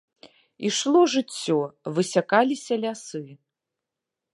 Ішло жыццё, высякаліся лясы.